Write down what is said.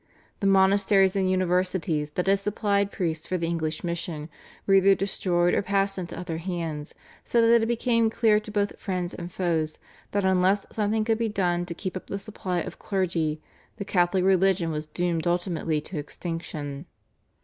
The monasteries and universities, that had supplied priests for the English mission, were either destroyed or passed into other hands, so that it became clear to both friends and foes that unless something could be done to keep up the supply of clergy the Catholic religion was doomed ultimately to extinction.